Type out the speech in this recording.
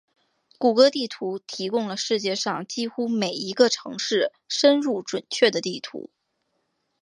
谷歌地图提供了世界上几乎每一个城市深入准确的地图。